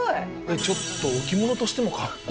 ちょっと置物としても格好いい。